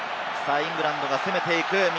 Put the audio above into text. イングランドが攻めていく。